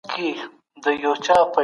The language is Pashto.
زکات یو لازمي عبادت دی.